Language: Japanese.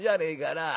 なあ。